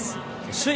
首位